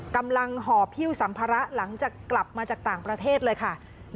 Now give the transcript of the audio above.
ห่อพิวสัมภาระหลังจากกลับมาจากต่างประเทศเลยค่ะ